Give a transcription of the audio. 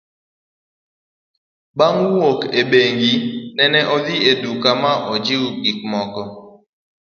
Bang' wuok e bengi, nene adhi e duka ma anyiewo gik moko .